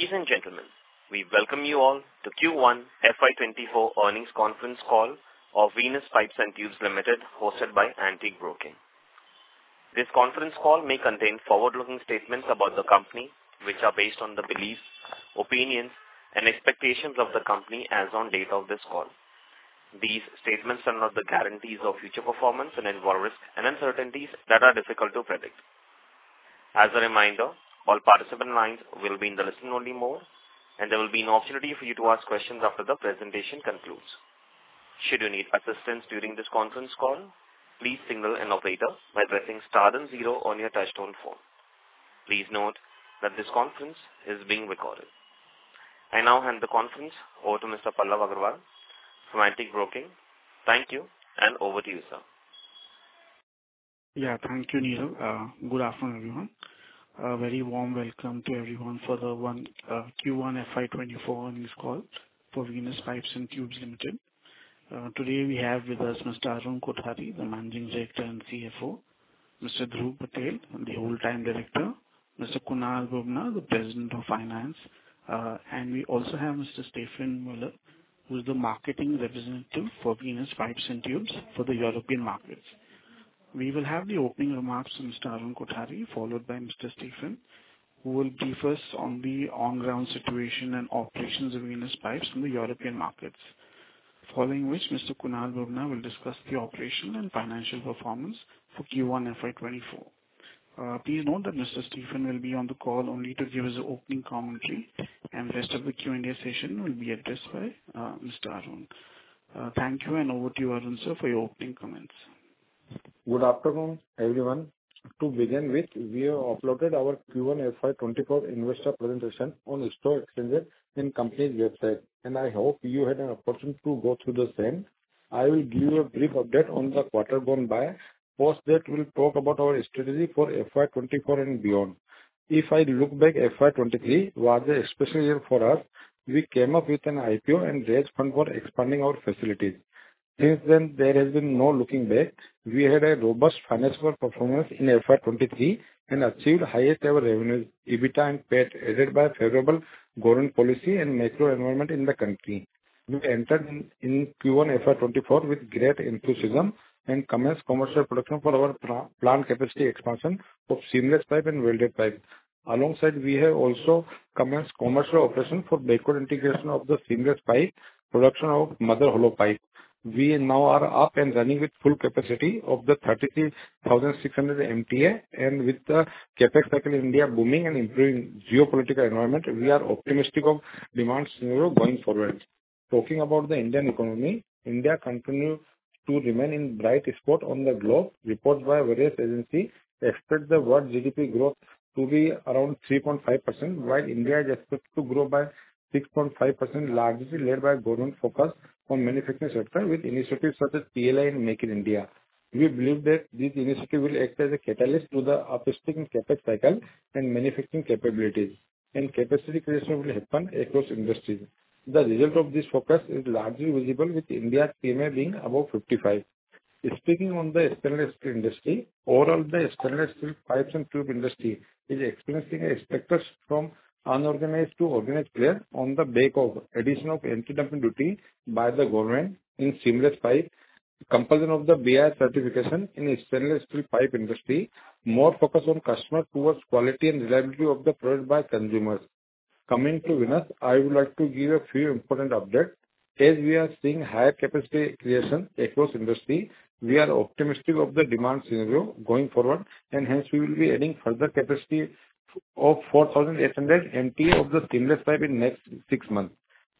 Ladies and gentlemen, we welcome you all to Q1 FY 2024 earnings conference call of Venus Pipes and Tubes Limited, hosted by Antique Broking. This conference call may contain forward-looking statements about the company, which are based on the beliefs, opinions, and expectations of the company as on date of this call. These statements are not the guarantees of future performance and involve risks and uncertainties that are difficult to predict. As a reminder, all participant lines will be in the listen only mode, and there will be an opportunity for you to ask questions after the presentation concludes. Should you need assistance during this conference call, please signal an operator by pressing star and zero on your touchtone phone. Please note that this conference is being recorded. I now hand the conference over to Mr. Pallab Agarwal from Antique Broking. Thank you, and over to you, sir. Thank you, Neil. Good afternoon, everyone. A very warm welcome to everyone for the Q1 FY 2024 earnings call for Venus Pipes and Tubes Limited. Today we have with us Mr. Arun Kothari, the Managing Director and CFO, Mr. Dhruv Patel, the Whole-Time Director, Mr. Kunal Bubna, the President of Finance, and we also have Mr. Stephan Muller, who's the marketing representative for Venus Pipes and Tubes for the European markets. We will have the opening remarks from Mr. Arun Kothari, followed by Mr. Stephan, who will brief us on the on-ground situation and operations of Venus Pipes in the European markets. Following which, Mr. Kunal Bubna will discuss the operation and financial performance for Q1 FY 2024. Please note that Mr. Stephan will be on the call only to give his opening commentary, and rest of the Q&A session will be addressed by Mr. Arun. Thank you, and over to you, Arun, sir, for your opening comments. Good afternoon, everyone. To begin with, we have uploaded our Q1 FY 2024 investor presentation on the stock exchanges and company website, and I hope you had an opportunity to go through the same. I will give you a brief update on the quarter gone by. First, that we'll talk about our strategy for FY 2024 and beyond. If I look back at FY 2023, it was a special year for us. We came up with an IPO and raise fund for expanding our facilities. Since then, there has been no looking back. We had a robust financial performance in FY 2023 and achieved highest-ever revenues, EBITDA and PAT, aided by favorable government policy and macro environment in the country. We entered in Q1 FY 2024 with great enthusiasm and commenced commercial production for our plant capacity expansion of seamless pipe and welded pipe. Alongside, we have also commenced commercial operation for backward integration of the seamless pipe production of mother hollow pipe. We now are up and running with full capacity of the 33,600 MTA and with the CapEx cycle India booming and improving geopolitical environment, we are optimistic of demand scenario going forward. Talking about the Indian economy, India continues to remain in bright spot on the globe. Reports by various agencies expect the world GDP growth to be around 3.5%, while India is expected to grow by 6.5%, largely led by Government focus on manufacturing sector with initiatives such as PLI and Make in India. We believe that this initiative will act as a catalyst to the optimistic CapEx cycle and manufacturing capabilities, and capacity creation will happen across industries. The result of this focus is largely visible with India's PMI being above 55. Speaking on the stainless steel industry, overall the stainless steel pipes and tube industry is experiencing a shift from unorganized to organized player on the back of addition of anti-dumping duty by the Government in seamless pipe, compulsion of the BIS certification in stainless steel pipe industry, more focus on customer towards quality and reliability of the product by consumers. Coming to Venus, I would like to give a few important updates. As we are seeing higher capacity creation across industry, we are optimistic of the demand scenario going forward, and hence we will be adding further capacity of 4,800 MTA of the stainless pipe in next six months.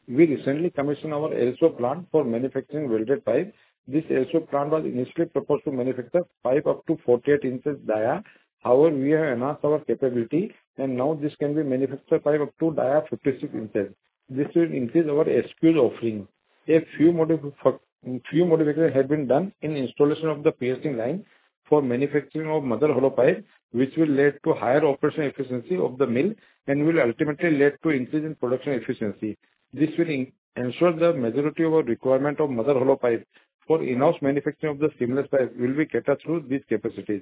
We recently commissioned our LSAW plant for manufacturing welded pipe. This LSAW plant was initially proposed to manufacture pipe up to 48 inches dia. However, we have enhanced our capability and now this can manufacture pipe up to dia 56 inches. This will increase our SKUs offering. A few modifications have been done in installation of the piercing line for manufacturing of mother hollow pipe, which will lead to higher operational efficiency of the mill and will ultimately lead to increase in production efficiency. This will ensure the majority of our requirement of mother hollow pipe for in-house manufacturing of the seamless pipe will be catered through this capacity.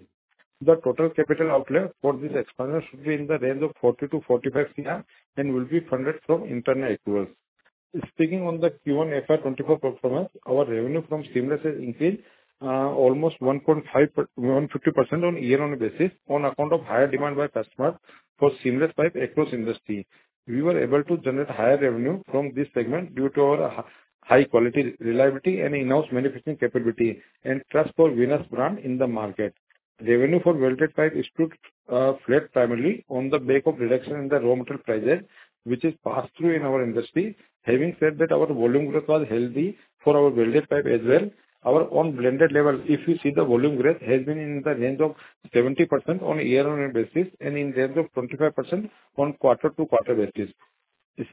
The total capital outlay for this expansion should be in the range of 40-45 crore and will be funded from internal accruals. Speaking on the Q1 FY 2024 performance, our revenue from seamless has increased almost 150% on year-on-year basis on account of higher demand by customers for seamless pipe across industry. We were able to generate higher revenue from this segment due to our high quality reliability and in-house manufacturing capability and trust for Venus brand in the market. Revenue for welded pipe stood flat primarily on the back of reduction in the raw material prices, which is passed through in our industry. Having said that, our volume growth was healthy for our welded pipe as well. Our own blended level, if you see the volume growth, has been in the range of 70% on year-on-year basis and in range of 25% on quarter-to-quarter basis.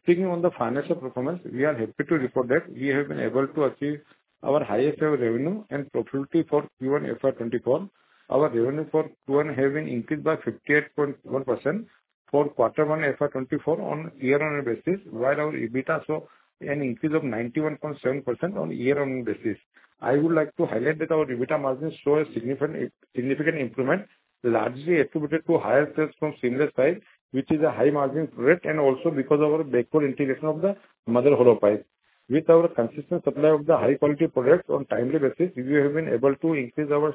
Speaking on the financial performance, we are happy to report that we have been able to achieve our highest-ever revenue and profitability for Q1 FY 2024. Our revenue for Q1 having increased by 58.1% for Q1 FY 2024 on year-on-year basis, while our EBITDA saw an increase of 91.7% on year-on-year basis. I would like to highlight that our EBITDA margin show a significant improvement, largely attributed to higher sales from seamless pipes, which is a high-margin rate, and also because of our backward integration of the mother hollow pipes. With our consistent supply of the high-quality products on timely basis, we have been able to increase our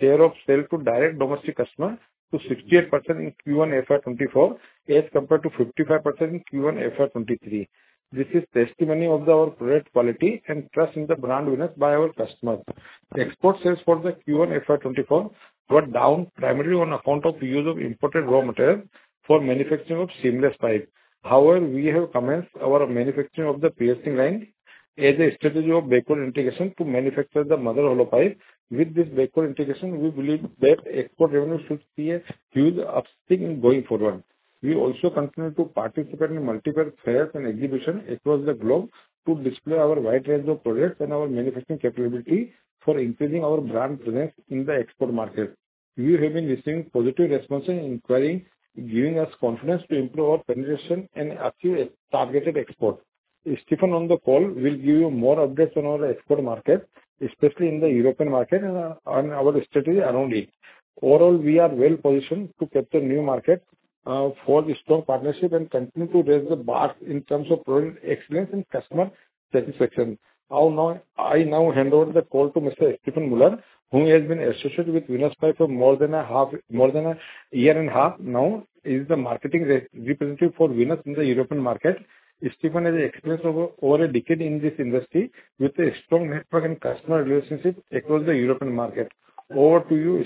share of sale to direct domestic customer to 68% in Q1 FY 2024 as compared to 55% in Q1 FY 2023. This is testimony of our product quality and trust in the brand Venus by our customers. Export sales for the Q1 FY 2024 were down primarily on account of the use of imported raw material for manufacturing of seamless pipe. We have commenced our manufacturing of the piercing line as a strategy of backward integration to manufacture the mother hollow pipe. With this backward integration, we believe that export revenue should see a huge upswing in going forward. We also continue to participate in multiple fairs and exhibition across the globe to display our wide range of products and our manufacturing capability for increasing our brand presence in the export market. We have been receiving positive response and inquiry, giving us confidence to improve our penetration and achieve a targeted export. Stephan on the call will give you more updates on our export market, especially in the European market and on our strategy around it. Overall, we are well-positioned to capture new market for the strong partnership and continue to raise the bar in terms of product excellence and customer satisfaction. I now hand over the call to Mr. Stephan Muller, who has been associated with Venus Pipe for more than a year and a half now. He's the marketing representative for Venus in the European market. Stephan has experience of over a decade in this industry with a strong network and customer relationship across the European market. Over to you,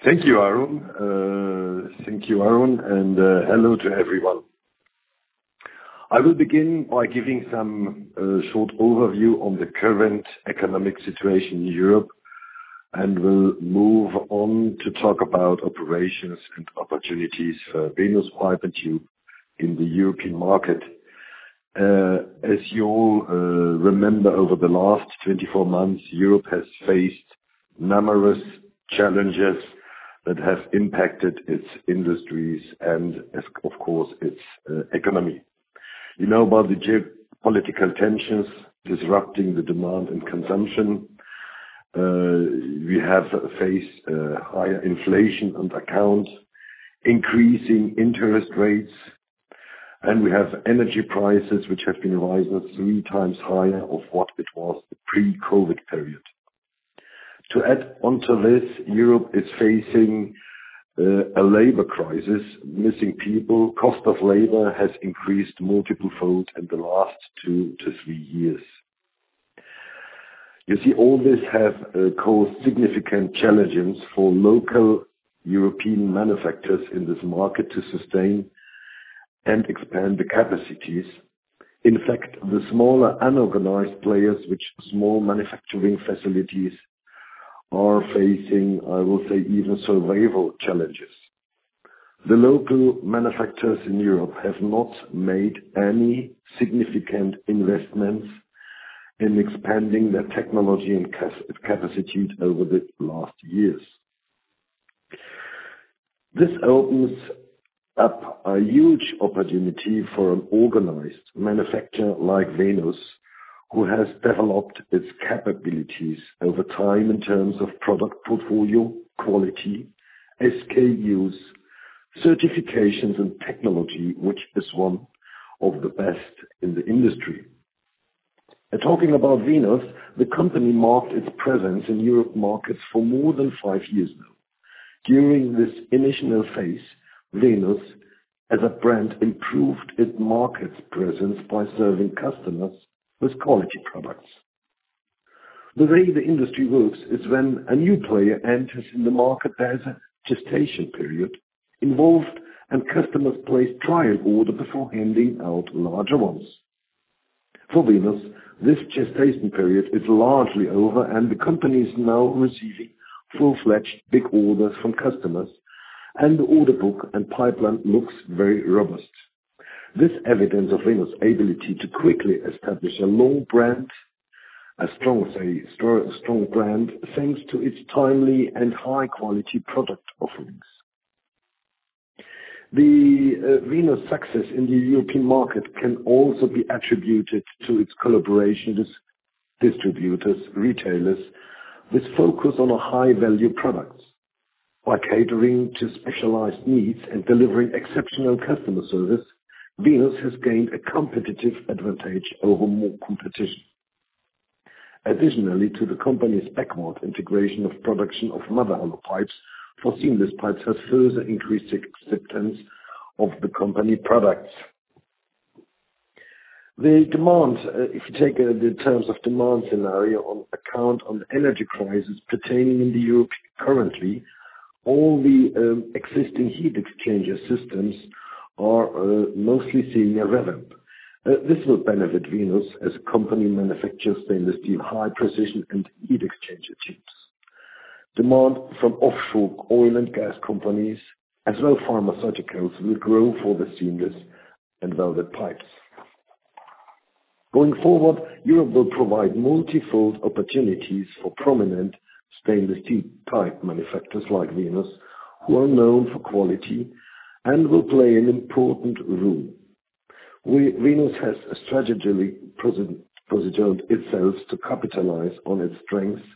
Stephan. Thank you, Arun, and hello to everyone. I will begin by giving some short overview on the current economic situation in Europe and will move on to talk about operations and opportunities for Venus Pipe Industry in the European market. As you all remember, over the last 24 months, Europe has faced numerous challenges that have impacted its industries and of course, its economy. You know about the geopolitical tensions disrupting the demand and consumption. We have faced higher inflation on account, increasing interest rates, and we have energy prices which have been rising three times higher of what it was pre-COVID period. To add onto this, Europe is facing a labor crisis, missing people. Cost of labor has increased multiple fold in the last two to three years. You see, all this have caused significant challenges for local European manufacturers in this market to sustain and expand the capacities. In fact, the smaller unorganized players with small manufacturing facilities are facing, I will say, even survival challenges. The local manufacturers in Europe have not made any significant investments in expanding their technology and capacity over the last years. This opens up a huge opportunity for an organized manufacturer like Venus, who has developed its capabilities over time in terms of product portfolio, quality, SKUs, certifications and technology, which is one of the best in the industry. Talking about Venus, the company marked its presence in Europe markets for more than five years now. During this initial phase, Venus as a brand, improved its market presence by serving customers with quality products. The way the industry works is when a new player enters in the market, there's a gestation period involved, and customers place trial order before handing out larger ones. For Venus, this gestation period is largely over. The company is now receiving full-fledged big orders from customers, and the order book and pipeline looks very robust. This evidence of Venus' ability to quickly establish a strong brand, thanks to its timely and high-quality product offerings. The Venus success in the European market can also be attributed to its collaboration with distributors, retailers, with focus on high-value products. By catering to specialized needs and delivering exceptional customer service, Venus has gained a competitive advantage over more competition. Additionally, the company's backward integration of production of mother hollow pipes for seamless pipes has further increased acceptance of the company products. If you take the terms of demand scenario on account of energy crisis pertaining in Europe currently, all the existing heat exchanger systems are mostly seeing a revamp. This will benefit Venus as company manufactures stainless steel high precision and heat exchanger tubes. Demand from offshore oil and gas companies as well pharmaceuticals will grow for the seamless and welded pipes. Going forward, Europe will provide multifold opportunities for prominent stainless steel pipe manufacturers like Venus. Well known for quality and will play an important role. Venus has strategically positioned itself to capitalize on its strengths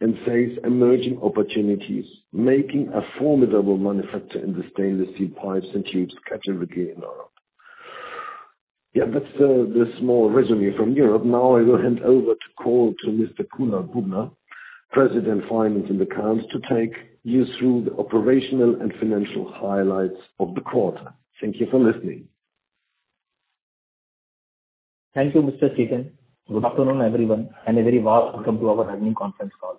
and face emerging opportunities, making a formidable manufacturer in the stainless steel pipes and tubes category in Europe. That's the small resume from Europe. Now I will hand over the call to Mr. Kunal Bubna, President, Finance and Accounts, to take you through the operational and financial highlights of the quarter. Thank you for listening. Thank you, Mr. Stephan Muller. Good afternoon, everyone. A very warm welcome to our earnings conference call.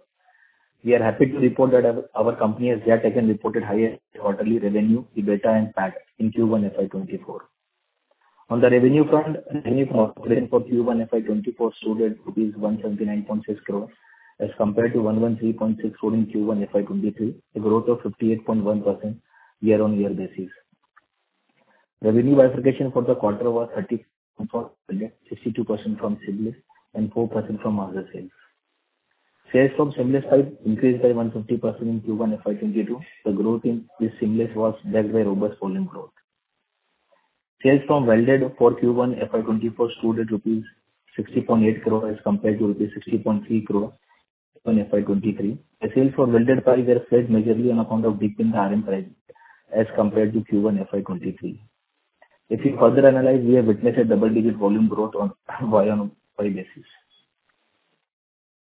We are happy to report that our company has yet again reported higher quarterly revenue, EBITDA and PAT in Q1 FY 2024. On the revenue front, revenue for Q1 FY 2024 stood at 179.6 crores as compared to 113.6 crores in Q1 FY 2023, a growth of 58.1% year-on-year basis. Revenue contribution for the quarter was 34.62% from seamless and 4% from other sales. Sales from seamless pipe increased by 150% in Q1 FY 2022. The growth in this seamless was backed by robust volume growth. Sales from welded for Q1 FY 2024 stood at rupees 60.8 crores as compared to rupees 60.3 crores in FY 2023. The sales for welded pipes were flat majorly on account of dip in the RM price as compared to Q1 FY 2023. If we further analyze, we have witnessed a double-digit volume growth on Y-O-Y basis.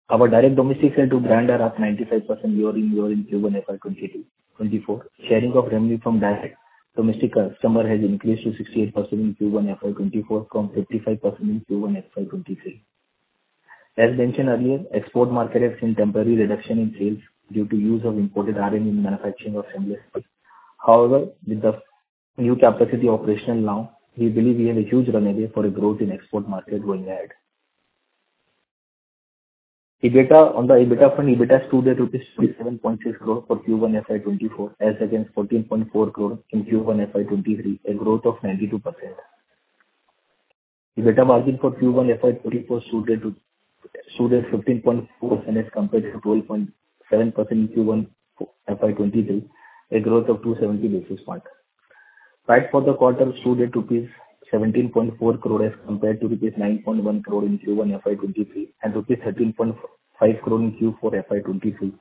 Our direct domestic sales to brand are up 95% year-on-year in Q1 FY 2024. Sharing of revenue from direct domestic customer has increased to 68% in Q1 FY 2024 from 55% in Q1 FY 2023. As mentioned earlier, export market has seen temporary reduction in sales due to use of imported RM in manufacturing of seamless pipes. However, with the new capacity operational now, we believe we have a huge runway for a growth in export market going ahead. On the EBITDA front, EBITDA stood at rupees 27.6 crores for Q1 FY 2024 as against 14.4 crores in Q1 FY 2023, a growth of 92%. EBITDA margin for Q1 FY 2024 stood at 15.4% as compared to 12.7% in Q1 FY 2023, a growth of 270 basis points. PAT for the quarter stood at rupees 17.4 crores as compared to rupees 9.1 crores in Q1 FY 2023 and rupees 13.5 crores in Q4 FY 2023,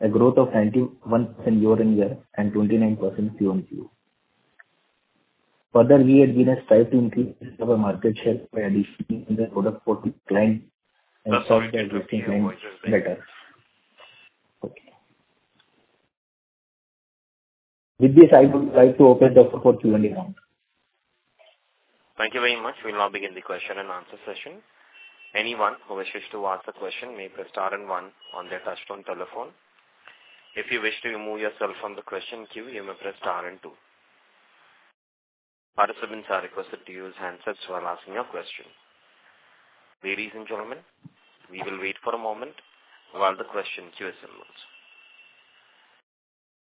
a growth of 91% year on year and 29% QOQ. Further, we at Venus strive to increase our market share by adding in the product portfolio and- Sorry to interrupt you. Okay. With this, I would like to open the floor for Q&A round. Thank you very much. We'll now begin the question and answer session. Anyone who wishes to ask a question may press star and one on their touchtone telephone. If you wish to remove yourself from the question queue, you may press star and two. Participants are requested to use handsets while asking your question. Ladies and gentlemen, we will wait for a moment while the question queue assembles.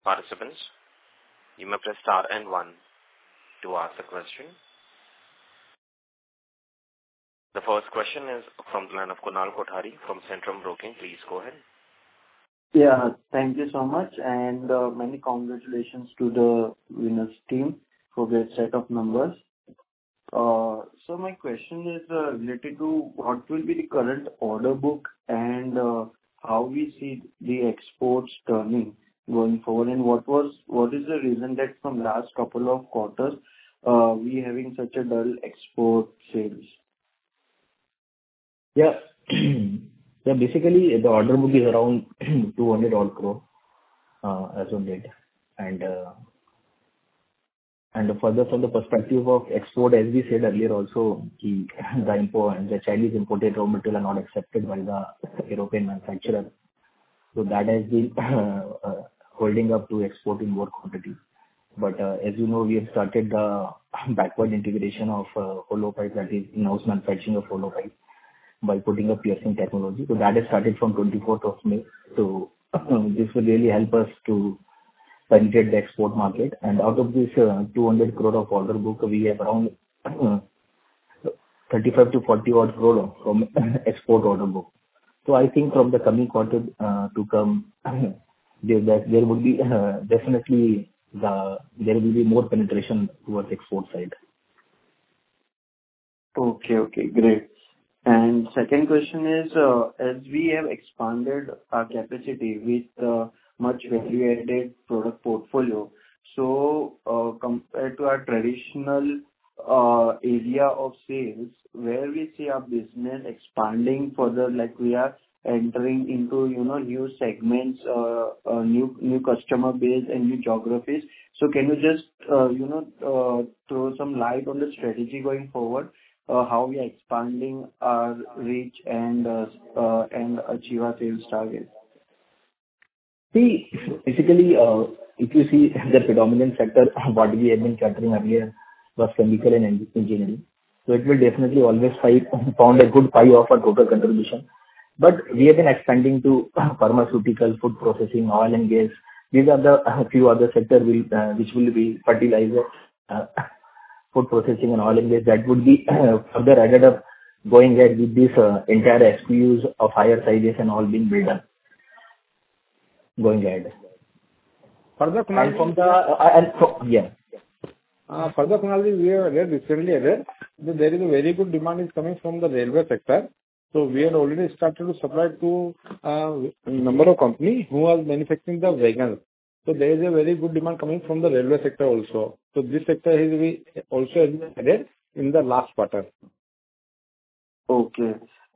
Participants, you may press star and one to ask a question. The first question is from the line of Kunal Kothari from Centrum Broking. Please go ahead. Yeah. Thank you so much. Many congratulations to the Venus team for their set of numbers. My question is related to what will be the current order book and how we see the exports turning going forward, and what is the reason that from last couple of quarters, we having such a dull export sales? Yeah. Basically, the order book is around 200 odd crore as on date. Further from the perspective of export, as we said earlier also, the Chinese imported raw material are not accepted by the European manufacturer. That has been holding up to exporting more quantity. As you know, we have started the backward integration of hollow pipes, that is in-house manufacturing of hollow pipes by putting up piercing technology. That has started from 24th of May. This will really help us to penetrate the export market. Out of this 200 crore of order book, we have around 35-40 odd crore from export order book. I think from the coming quarters to come, there will be more penetration towards export side. Okay. Great. Second question is, as we have expanded our capacity with much value-added product portfolio. Compared to our traditional area of sales, where we see our business expanding further, like we are entering into new segments or new customer base and new geographies. Can you just throw some light on the strategy going forward, how we are expanding our reach and achieve our sales target? Basically, if you see the predominant sector, what we have been chatting earlier was chemical and engineering. It will definitely always form a good five of our total contribution. We have been expanding to pharmaceutical, food processing, oil and gas. These are the few other sector which will be fertilizer, Food processing and all in this, that would be further added up going ahead with this entire SKUs of higher sizes and all being built up. Further clarity. Yes. Further clarity, we are recently aware that there is a very good demand coming from the railway sector. We have already started to supply to a number of companies who are manufacturing the vehicles. There is a very good demand coming from the railway sector also. This sector has been added in the last quarter.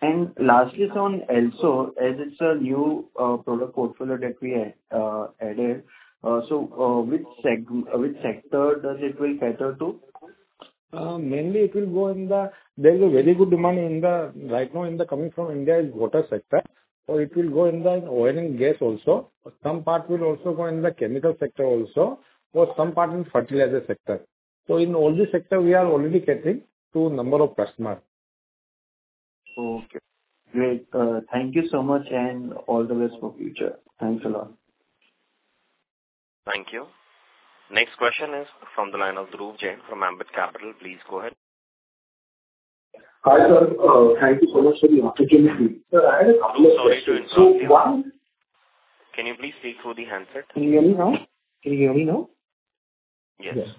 Okay. Lastly, sir, on Elso, as it's a new product portfolio that we added, which sector does it cater to? There is a very good demand right now coming from India in the water sector. It will go in the oil and gas also. Some part will also go in the chemical sector also, or some part in fertilizer sector. In all these sectors we are already catering to a number of customers. Okay, great. Thank you so much, and all the best for future. Thanks a lot. Thank you. Next question is from the line of Dhruv Jain from Ambit Capital. Please go ahead. Hi, sir. Thank you so much for the opportunity. Sir, I had a couple of questions. Sorry to interrupt you. Can you please speak through the handset? Can you hear me now? Yes.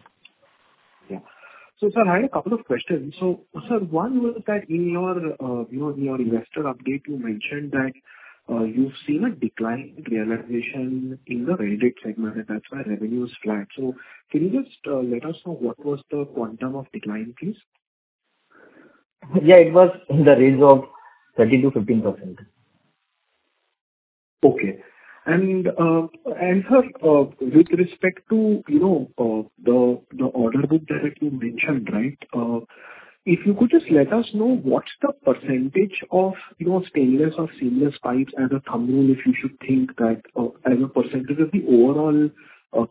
Yeah. Sir, I had a couple of questions. Sir, one was that in your investor update, you've mentioned that you've seen a decline in realization in the welded segment, and that's why revenue is flat. Can you just let us know what was the quantum of decline, please? Yeah, it was in the range of 13%-15%. Okay. Sir, with respect to the order book that you mentioned, right? If you could just let us know what's the percentage of stainless or seamless pipes as a thumb rule, if you should think that as a percentage of the overall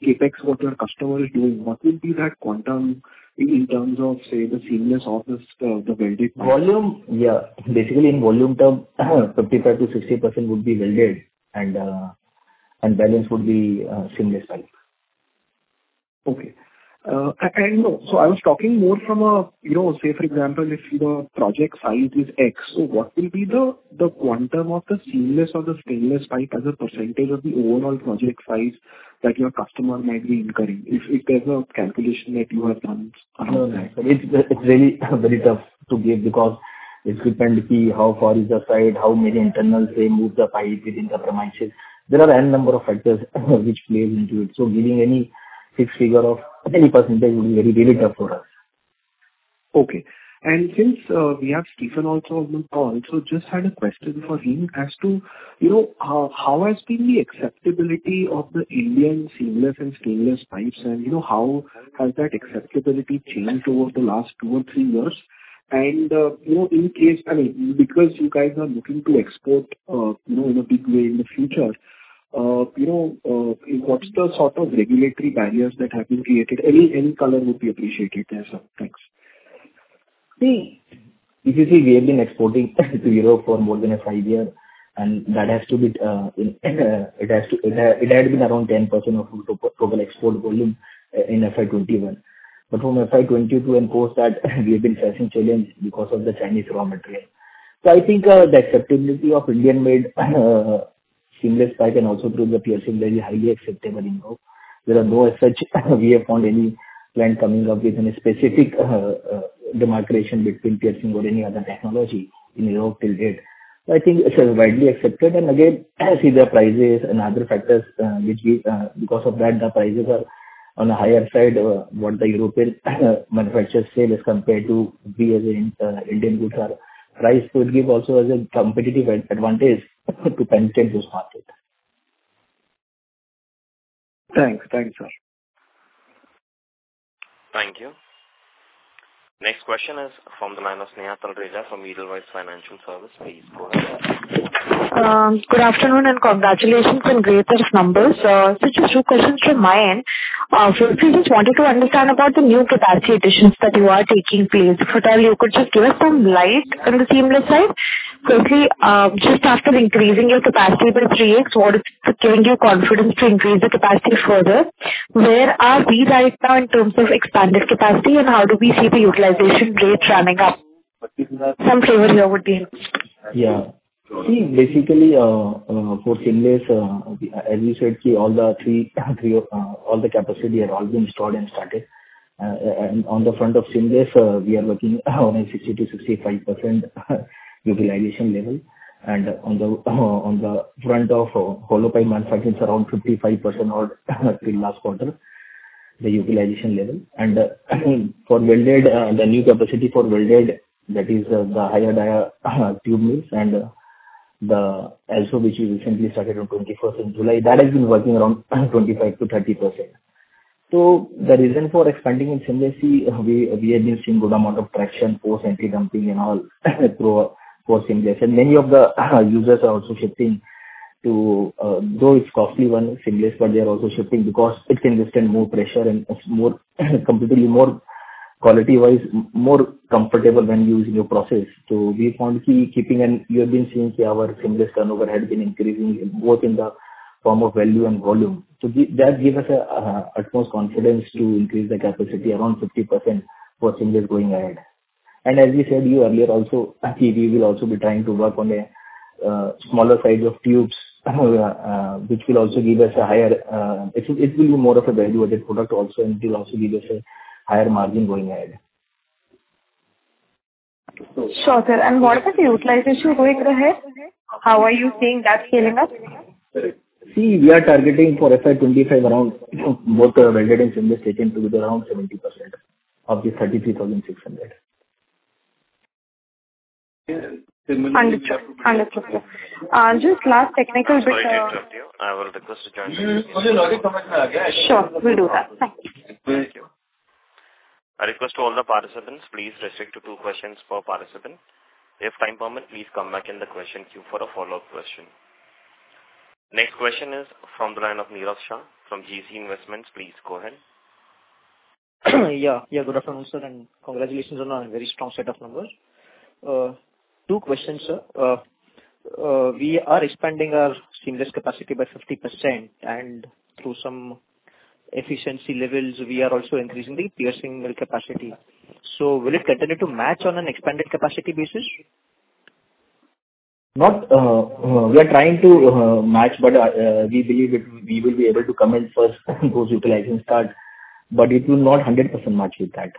CapEx, what your customer is doing, what will be that quantum in terms of, say, the seamless or the welded pipe? Basically in volume term, 55%-60% would be welded, balance would be seamless pipe. Okay. I was talking more from a, say for example, if the project size is X, what will be the quantum of the seamless or the stainless pipe as a percentage of the overall project size that your customer might be incurring, if there's a calculation that you have done? No, it's really very tough to give because it depends how far is the site, how many internals, say, move the pipe within the premises. There are n number of factors which play into it. Giving any fixed figure of any percentage would be very, very tough for us. Okay. Since we have Stephan also on the call, I also just had a question for him as to how has been the acceptability of the Indian seamless and stainless pipes, and how has that acceptability changed over the last two or three years? In case, because you guys are looking to export in a big way in the future, what's the sort of regulatory barriers that have been created? Any color would be appreciated there, sir. Thanks. We have been exporting to Europe for more than five years, it had been around 10% of total export volume in FY 2021. From FY 2022 onwards that we have been facing challenge because of the Chinese raw material. I think the acceptability of Indian-made seamless pipe and also through the piercing that is highly acceptable in Europe. There are no as such we have found any plant coming up with any specific demarcation between piercing or any other technology in Europe till date. I think it is widely accepted. Again, see the prices and other factors, because of that, the prices are on the higher side what the European manufacturers sell as compared to we as Indian goods are priced, would give also us a competitive advantage to penetrate this market. Thanks, sir. Thank you. Next question is from the line of Sneha Talreja from Edelweiss Financial Services. Please go ahead. Good afternoon. Congratulations on great first numbers. Sir, just two questions from my end. Firstly, just wanted to understand about the new capacity additions that you are taking, please. If at all you could just give us some light on the seamless side. Quickly, just after increasing your capacity by 3x, what is giving you confidence to increase the capacity further? Where are we right now in terms of expanded capacity, and how do we see the utilization rates ramping up? Some flavor here would be helpful. See, basically, for seamless, as we said, all the capacity had all been installed and started. On the front of seamless, we are working on a 60%-65% utilization level. On the front of hollow pipe manufacturing is around 55% or till last quarter, the utilization level. For welded, the new capacity for welded, that is the higher dia tube mills and the LSAW which we recently started on 21st of July, that has been working around 25%-30%. The reason for expanding in seamless, we have been seeing good amount of traction, post anti-dumping and all for seamless. Many of the users are also shifting to, though it's costly, one seamless, but they are also shifting because it can withstand more pressure and is comparatively more quality-wise, more comfortable when used in your process. We found keeping an ear has been seeing our seamless turnover has been increasing both in the form of value and volume. That gives us the utmost confidence to increase the capacity around 50% for seamless going ahead. As we said to you earlier also, we will also be trying to work on a smaller size of tubes. It will be more of a value-added product also, and it will also give us a higher margin going ahead. Sure, sir. What about the utilization going ahead? How are you seeing that scaling up? We are targeting for FY 2025 around both welded and seamless taken together around 70% of the 33,600. Understood, sir. Just last technical bit. Sorry to interrupt you. I will request to join. Sure, we'll do that. Thank you. Thank you. A request to all the participants, please restrict to two questions per participant. If time permit, please come back in the question queue for a follow-up question. Next question is from the line of Neeraj Shah from GC Investments. Please go ahead. Yeah. Good afternoon, sir, and congratulations on a very strong set of numbers. Two questions, sir. We are expanding our seamless capacity by 50%, and through some efficiency levels, we are also increasing the piercing capacity. Will it continue to match on an expanded capacity basis? No. We are trying to match, but we believe we will be able to come in first those utilizations start, but it will not 100% match with that.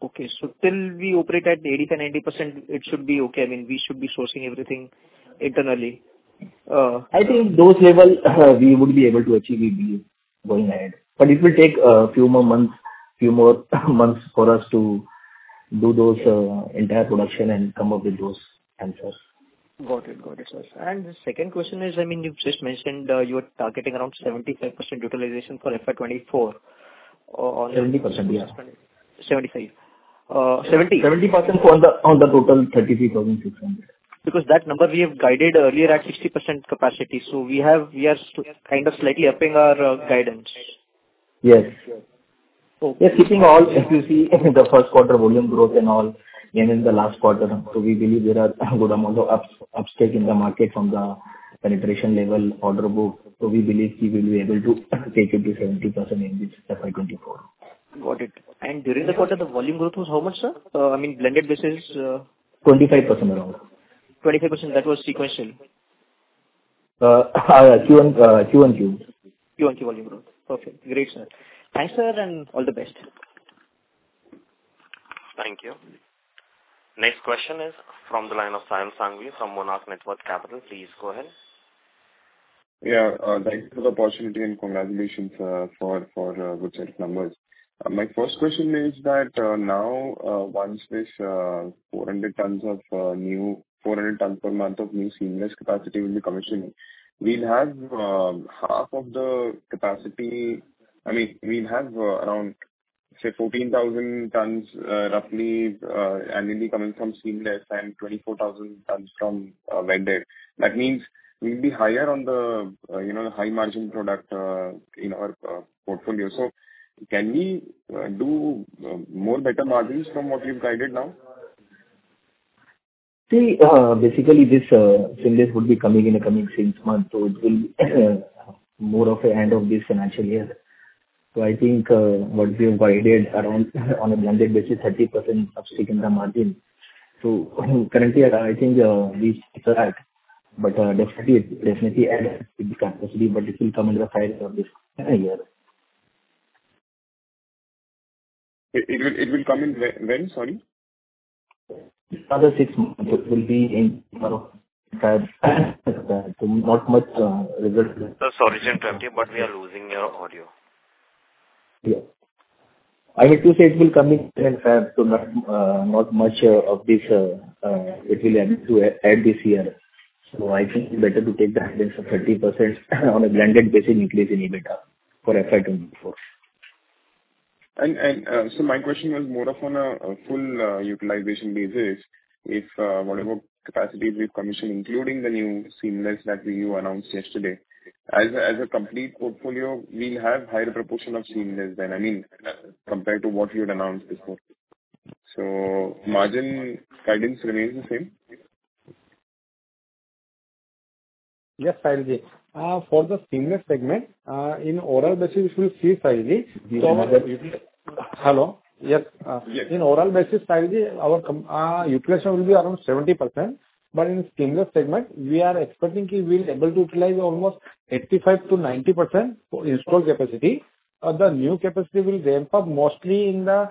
Okay. Till we operate at 85, 90%, it should be okay. We should be sourcing everything internally. I think those level we would be able to achieve it going ahead, it will take a few more months for us to do those entire production and come up with those answers. Got it, sir. The second question is, you've just mentioned, you are targeting around 75% utilization for FY 2024. 70%, yeah. 75. 70? 70% on the total 33,600. That number we have guided earlier at 60% capacity. We are kind of slightly upping our guidance. Yes. Okay. Keeping all, if you see the first quarter volume growth and all, and in the last quarter, we believe there are good amount of upstate in the market from the penetration level order book. We believe we will be able to take it to 70% in this FY 2024. Got it. During the quarter, the volume growth was how much, sir? Blended basis. 25% around. 25%, that was sequentially? Q1 tubes. Q1 tube volume growth. Okay, great, sir. Thanks, sir, and all the best. Thank you. Next question is from the line of Sahil Sanghvi from Monarch Networth Capital. Please go ahead. Yeah. Thanks for the opportunity and congratulations for a good set of numbers. My first question is that now once this 400 tonnes per month of new seamless capacity will be commissioned, we will have around, say, 14,000 tonnes roughly, annually coming from seamless and 24,000 tonnes from welded. That means we will be higher on the high-margin product in our portfolio. Can we do more better margins from what we have guided now? See, basically this seamless would be coming in the coming six months, it will be more of the end of this financial year. I think what we have guided around on a blended basis, 30% upstate in the margin. Currently, I think we stick to that, but definitely add capacity, but it will come into effect of this calendar year. It will come in when? Sorry. Other six months. It will be in effect. Not much result- Sir, sorry to interrupt you, we are losing your audio. Yeah. I have to say it will come in effect to not much of this. It will add this year. I think better to take the guidance of 30% on a blended basis utilization EBITDA for FY 2024. My question was more of on a full utilization basis, if whatever capacity we've commissioned, including the new seamless that you announced yesterday, as a complete portfolio, we'll have higher proportion of seamless then, compared to what you had announced before. Margin guidance remains the same? Yes, Sahil ji. For the seamless segment, in overall basis, we should see. So- Hello? Yes. Yes. In overall basis, Sahil ji, our utilization will be around 70%. In seamless segment, we are expecting we will be able to utilize almost 85%-90% installed capacity. The new capacity will ramp up mostly in the,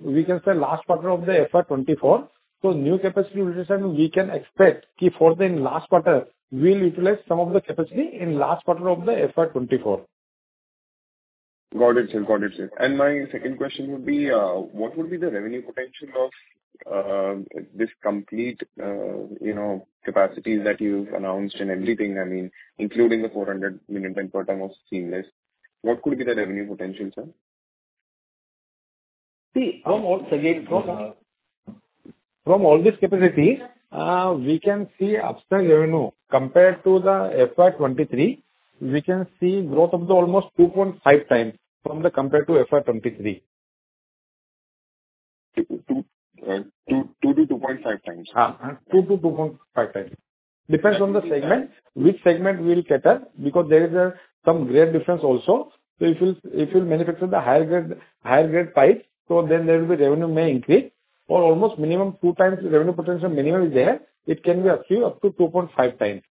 we can say last quarter of the FY 2024. New capacity utilization, we can expect for the last quarter, we'll utilize some of the capacity in last quarter of the FY 2024. Got it, sir. My second question would be, what would be the revenue potential of this complete capacities that you've announced and everything, including the 400 million tonne per annum of seamless. What could be the revenue potential, sir? See, from all this capacity, we can see upside revenue compared to the FY 2023. We can see growth of the almost 2.5 times compared to FY 2023. 2-2.5 times. 2-2.5 times. Depends on the segment, which segment we'll cater because there is some grade difference also. If you'll manufacture the higher grade pipes, then there will be revenue may increase or almost minimum two times the revenue potential minimum is there. It can be up to 2.5 times.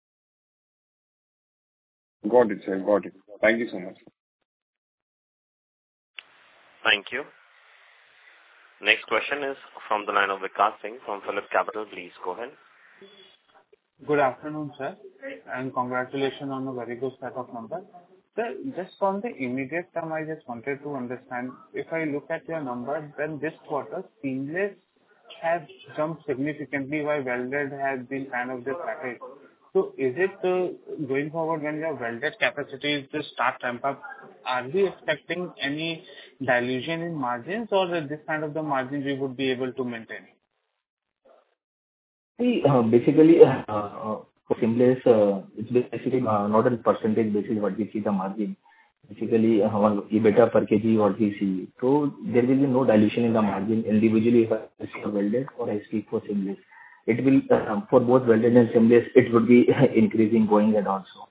Got it, sir. Got it. Thank you so much. Thank you. Next question is from the line of Vikas Singh from PhillipCapital. Please go ahead. Good afternoon, sir. Congratulations on a very good set of numbers. Sir, just on the immediate term, I just wanted to understand, if I look at your numbers, then this quarter seamless has jumped significantly while welded has been kind of the package. Is it going forward when your welded capacity is to start ramp up, are we expecting any dilution in margins or this kind of the margins we would be able to maintain? Basically, for seamless, it's basically not in %. This is what we see the margin. Our EBITDA per kg what we see. There will be no dilution in the margin individually if I see a welded or I see for seamless. For both welded and seamless, it would be increasing going ahead also.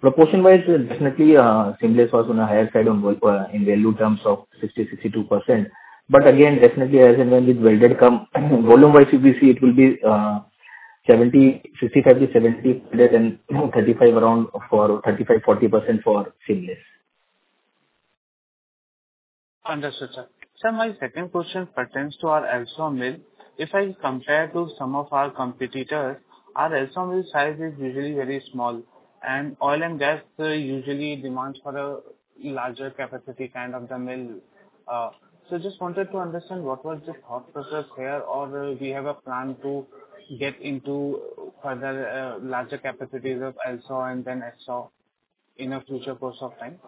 Proportion-wise, definitely seamless was on the higher side in value terms of 60%-62%. Definitely as and when with welded come, volume-wise if we see it will be 65%-70% welded and around 35%-40% for seamless. Understood, sir. Sir, my second question pertains to our Elsal mill. If I compare to some of our competitors, our Elsal mill size is usually very small and oil and gas usually demands for a larger capacity kind of the mill. Just wanted to understand what was the thought process here, or we have a plan to get into further larger capacities of Elsal and then Esal in a future course of time.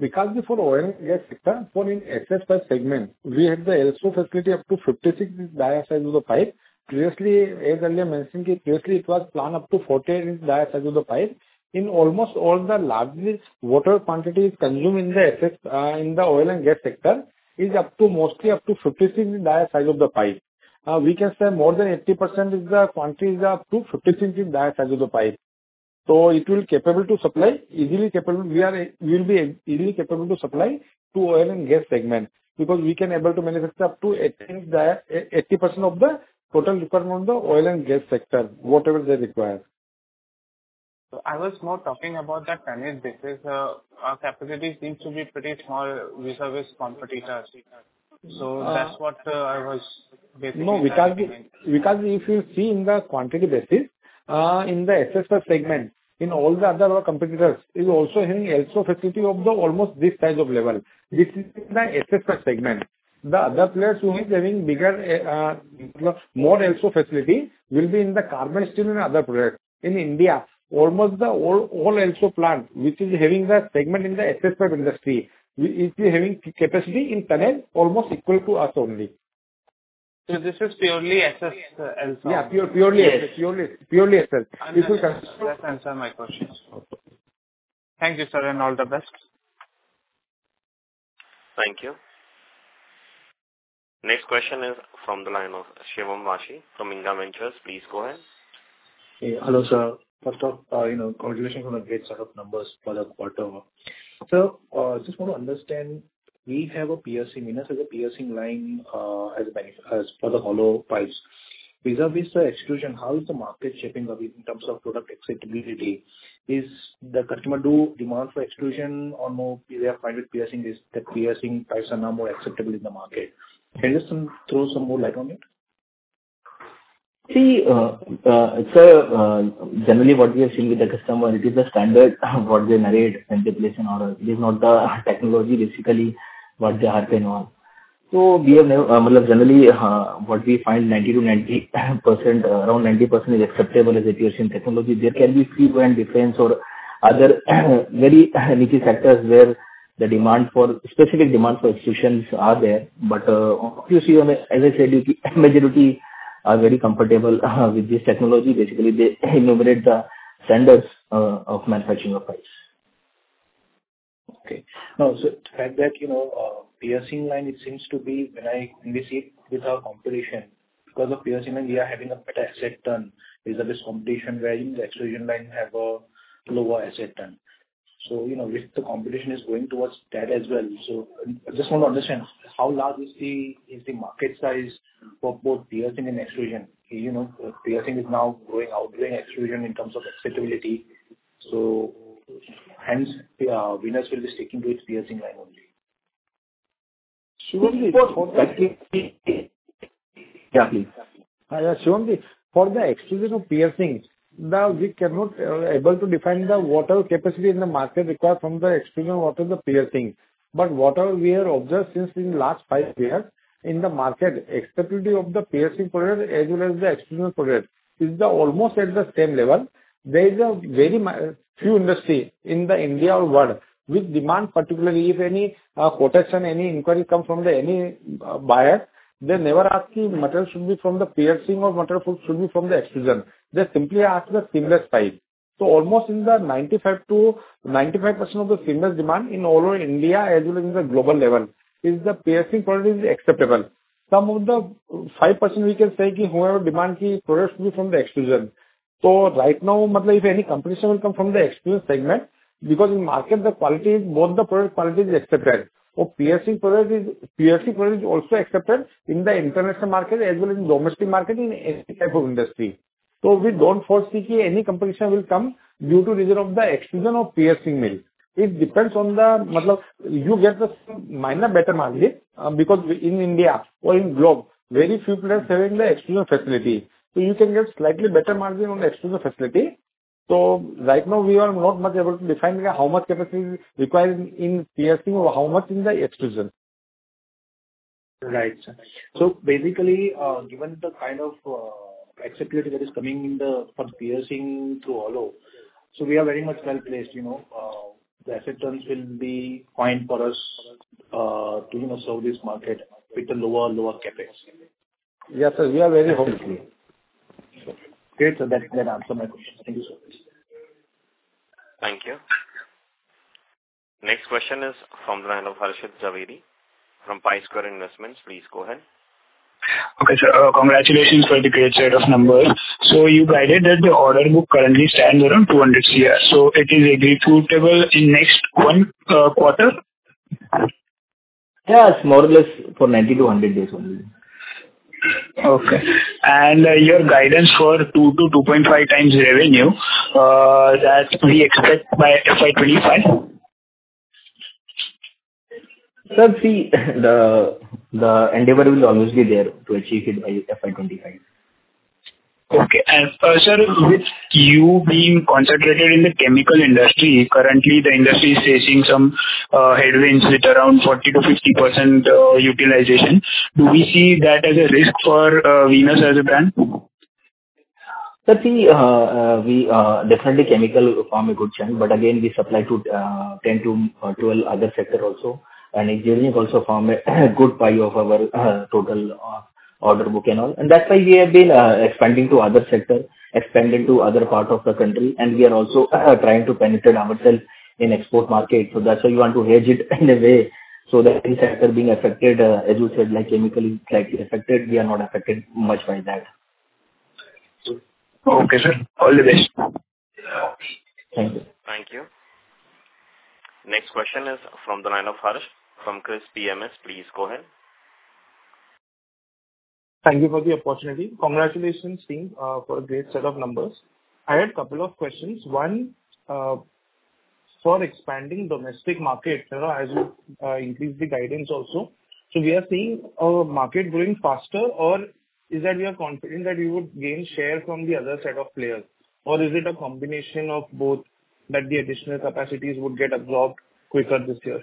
Vikasji, for oil and gas sector, for in SS segment, we had the LSAW facility up to 56 inch dia size of the pipe. Previously, as earlier mentioned, previously it was planned up to 40 inch dia size of the pipe. In almost all the largest water quantity consumed in the oil and gas sector is mostly up to 56 inch dia size of the pipe. We can say more than 80% is the quantity is up to 56 inch dia size of the pipe. We'll be easily capable to supply to oil and gas segment because we can able to manufacture up to 80% of the total requirement of the oil and gas sector, whatever they require. I was more talking about the tonnage basis. Our capacity seems to be pretty small vis-à-vis competitors. That's what I was basically. No, Vikasji, if you see in the quantity basis, in the SS segment, in all the other competitors is also having LSAW facility of almost this size of level. This is the SS segment. The other players who are having bigger, more LSAW facility will be in the carbon steel and other products. In India, almost the all LSAW plant, which is having the segment in the SS industry, is having capacity in ton almost equal to us only. This is purely SS LSAW. Yeah, purely SS. Understood. That answers my questions. Okay. Thank you, sir, and all the best. Thank you. Next question is from the line of Shivam Vashi from Inga Ventures. Please go ahead. Hey. Hello, sir. First off, congratulations on a great set of numbers for the quarter. Sir, I just want to understand, we have a piercing. Venus has a piercing line for the hollow pipes. Vis-à-vis the extrusion, how is the market shaping up in terms of product acceptability? Is the customer do demand for extrusion or no, they are fine with piercing, the piercing pipes are now more acceptable in the market. Can you just throw some more light on it? Sir, generally what we are seeing with the customer, it is the standard what they narrate specification or it is not the technology basically what they are pinned on. Generally, what we find 90%-98%, around 90% is acceptable is extrusion technology. There can be few brand difference or other very niche sectors where the specific demand for extrusions are there. Obviously, as I said, majority are very comfortable with this technology. Basically, they liberate the standards of manufacturing of pipes. Sir, the fact that piercing line, it seems to be when I see it with our competition, because of piercing line we are having a better asset turn vis-à-vis competition where in the extrusion line have a lower asset turn. The competition is going towards that as well. I just want to understand how large is the market size for both piercing and extrusion. Piercing is now outdoing extrusion in terms of acceptability. Hence Venus will be sticking to its piercing line only. Shivami- Please. Shivamji, for the extrusion or piercing, we cannot able to define the whatever capacity in the market required from the extrusion or the piercing. But what we have observed since in last five years in the market, acceptability of the piercing product as well as the extrusion product is almost at the same level. There is a very few industry in the India or world which demand particularly if any quotation, any inquiry come from any buyer, they never ask if material should be from the piercing or material should be from the extrusion. They simply ask the seamless pipe. Almost in the 95% of the seamless demand in all of India, as well as in the global level, is the piercing product is acceptable. Some of the 5% we can say whoever demand products from the extrusion. Right now, if any competition will come from the extrusion segment, because in market, both the product quality is accepted. Piercing product is also accepted in the international market as well as in domestic market in any type of industry. We don't foresee any competition will come due to reason of the extrusion or piercing mill. It depends on the. You get the similar margin, better margin, because in India or in globe, very few players having the extrusion facility. You can get slightly better margin on extrusion facility. Right now we are not much able to define how much capacity is required in piercing or how much in the extrusion. Right. Basically, given the kind of acceptability that is coming in for piercing through hollow, we are very much well-placed. The acceptance will be fine for us to serve this market with a lower capacity. Yes, sir, we are very hopeful. Great, sir. That answered my question. Thank you, sir. Thank you. Next question is from the line of Harshad Zaveri from Pi Square Investments. Please go ahead. Okay, sir. Congratulations for the great set of numbers. You guided that the order book currently stands around 200 crore. Is it repeatable in next one quarter? Yes, more or less for 90-100 days only. Okay. Your guidance for 2-2.5 times revenue, that we expect by FY 2025? Sir, see, the endeavor is always there to achieve it by FY 2025. Okay. Sir, with you being concentrated in the chemical industry, currently the industry is facing some headwinds with around 40%-50% utilization. Do we see that as a risk for Venus as a brand? Sir, see, definitely chemical form a good chunk, but again, we supply to 10-12 other sector also. Engineering also form a good pie of our total order book and all. That's why we have been expanding to other sector, expanding to other part of the country, and we are also trying to penetrate ourselves in export market. That's why we want to hedge it in a way so that any sector being affected, as you said, like chemical is slightly affected, we are not affected much by that. Okay, sir. All the best. Thank you. Thank you. Next question is from the line of Harsh from Chris PMS. Please go ahead. Thank you for the opportunity. Congratulations team for a great set of numbers. I had couple of questions. One, for expanding domestic market as you increase the guidance also. We are seeing our market growing faster, or is that we are confident that we would gain share from the other set of players? Is it a combination of both, that the additional capacities would get absorbed quicker this year?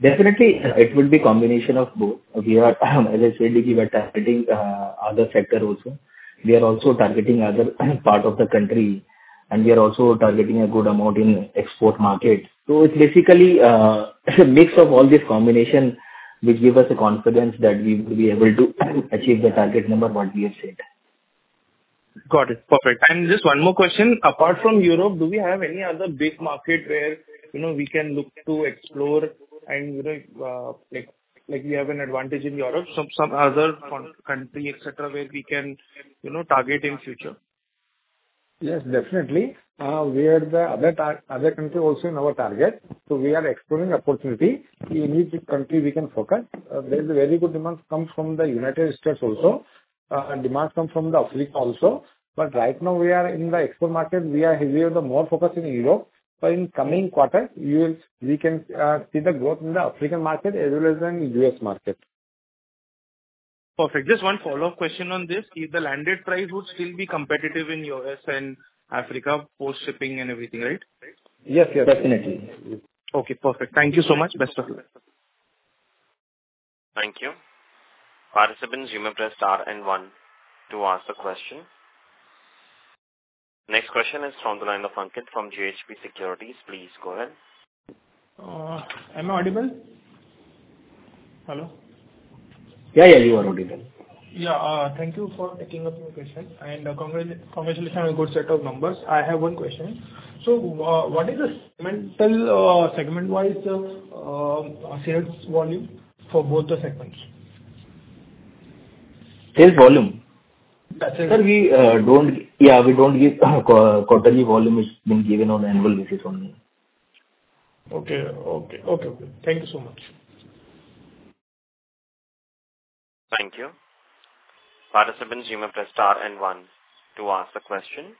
Definitely, it will be combination of both. As I said, we were targeting other sector also. We are also targeting other part of the country, and we are also targeting a good amount in export market. It's basically a mix of all these combination which give us the confidence that we will be able to achieve the target number what we have said. Got it. Perfect. Just one more question. Apart from Europe, do we have any other big market where we can look to explore and like we have an advantage in Europe, some other country, et cetera, where we can target in future? Yes, definitely. We have the other country also in our target. We are exploring opportunity in which country we can focus. There's a very good demand comes from the United States also. Demand comes from the Africa also. Right now we are in the export market, we are heavier, the more focus in Europe. In coming quarter, we can see the growth in the African market as well as in U.S. market. Perfect. Just one follow-up question on this. If the landed price would still be competitive in U.S. and Africa, post shipping and everything, right? Yes. Definitely. Okay, perfect. Thank you so much. Best of luck. Thank you. Participants, you may press star and one to ask the question. Next question is from the line of Ankit from JHP Securities. Please go ahead. Am I audible? Hello? Yeah. You are audible. Thank you for taking up my question, congratulations on a good set of numbers. I have one question. What is the segment-wise sales volume for both the segments? Sales volume? That's it. Sir, we don't give quarterly volume. It's being given on annual basis only. Okay. Thank you so much. Thank you. Participants, you may press star 1 to ask the question.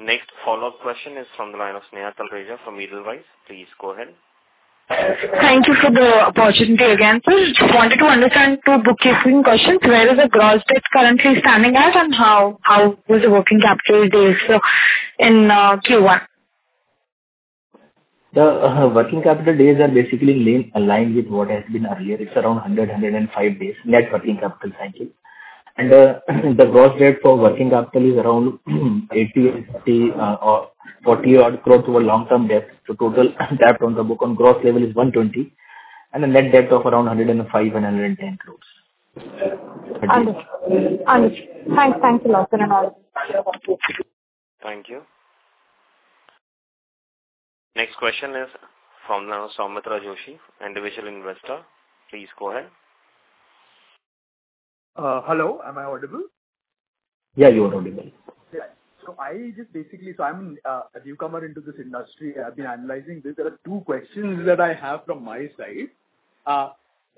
Next follow-up question is from the line of Sneha Talreja from Edelweiss. Please go ahead. Thank you for the opportunity again, sir. Just wanted to understand two bookkeeping questions. Where is the gross debt currently standing at, and how was the working capital days in Q1? The working capital days are basically aligned with what has been earlier. It's around 100, 105 days, net working capital, actually. The gross debt for working capital is around 80, 70, or 40 odd growth over long-term debt. Total debt on the book on gross level is 120, and a net debt of around 105 and 110 crores. Understood. Thanks a lot, Sunil. Thank you. Next question is from Soumitra Joshi, individual investor. Please go ahead. Hello, am I audible? Yeah, you are audible. I'm a newcomer into this industry. I've been analyzing this. There are two questions that I have from my side.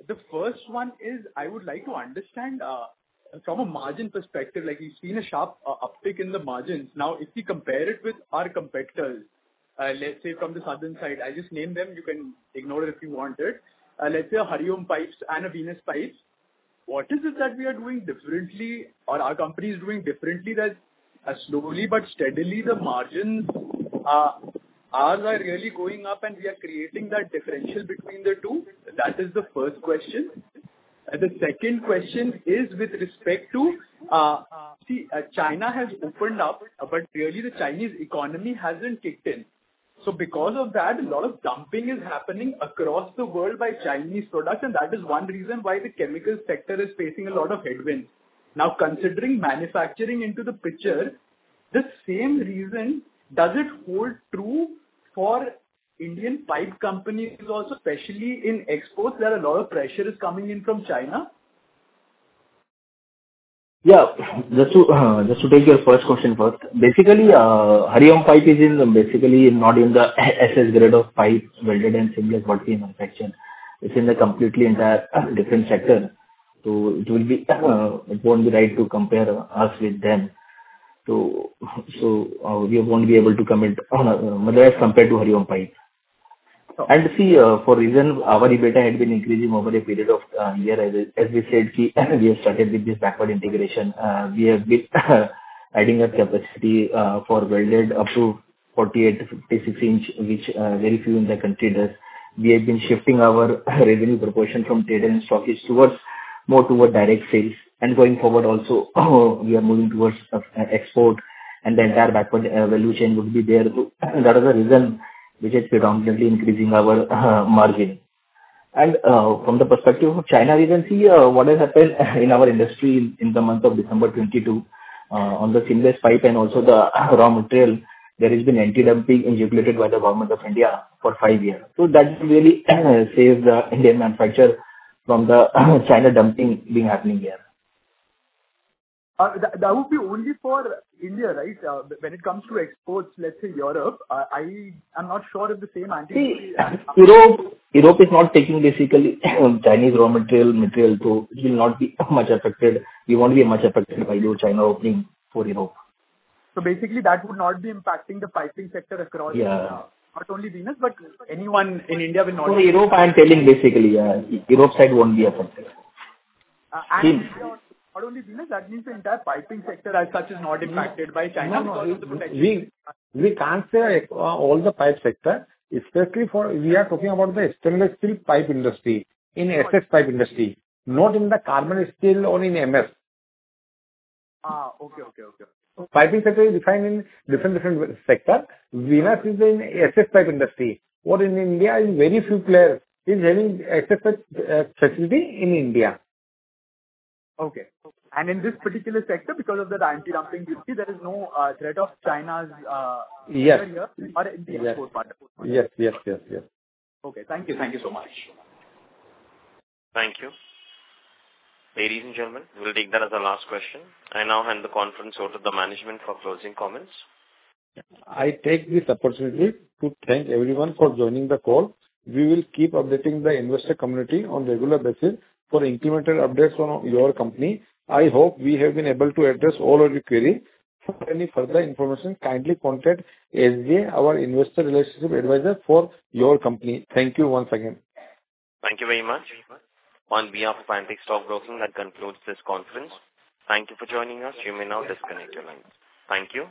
The first one is I would like to understand from a margin perspective, we've seen a sharp uptick in the margins. Now, if we compare it with our competitors, let's say from the southern side, I'll just name them, you can ignore it if you want it. Let's say a Hariom Pipes and a Venus Pipes. What is it that we are doing differently, or our company is doing differently that slowly but steadily the margins are really going up and we are creating that differential between the two? That is the first question. The second question is with respect to, China has opened up, but really the Chinese economy hasn't kicked in. Because of that, a lot of dumping is happening across the world by Chinese products, and that is one reason why the chemical sector is facing a lot of headwinds. Now considering manufacturing into the picture, the same reason, does it hold true for Indian pipe companies also, especially in exports, where a lot of pressure is coming in from China? Just to take your first question first. Hariom Pipe is not in the SS grade of pipes, welded and seamless body manufacturing. It's in the completely entire different sector. It won't be right to compare us with them. We won't be able to comment on margins as compared to Hariom Pipe. See, for a reason, our EBITDA had been increasing over a period of year as we said, we have started with this backward integration. We have been adding a capacity for welded up to 48 to 56 inch, which very few in the country does. We have been shifting our revenue proportion from trade and stockage more towards direct sales. Going forward also, we are moving towards export and the entire backward value chain would be there. That is the reason which is predominantly increasing our margin. From the perspective of China, we can see what has happened in our industry in the month of December 2022, on the seamless pipe and also the raw material, there has been anti-dumping implicated by the Government of India for five years. That really saves the Indian manufacturer from the China dumping thing happening here. That would be only for India, right? When it comes to exports, let's say Europe, I am not sure if the same anti-dumping- Europe is not taking basically Chinese raw material. It will not be much affected. We won't be much affected by new China opening for Europe. Basically that would not be impacting the piping sector across- Yeah. Not only Venus, but anyone in India will not- For Europe, I'm telling basically, Europe side won't be affected. Not only Venus, that means the entire piping sector as such is not impacted by China. We can't say all the pipe sector, especially we are talking about the stainless steel pipe industry, in SS pipe industry, not in the carbon steel or in MS. Okay. Piping sector is defined in different sector. Venus is in SS pipe industry. Where in India is very few players is having SS facility in India. Okay. In this particular sector, because of that anti-dumping duty, there is no threat of China's- Yes here or export part. Yes. Okay. Thank you so much. Thank you. Ladies and gentlemen, we'll take that as our last question. I now hand the conference over to the Management for closing comments. I take this opportunity to thank everyone for joining the call. We will keep updating the investor community on regular basis for incremental updates on your company. I hope we have been able to address all of your query. For any further information, kindly contact SJ, our investor relationship advisor for your company. Thank you once again. Thank you very much. On behalf of Antique Stock Broking, that concludes this conference. Thank you for joining us. You may now disconnect your lines. Thank you.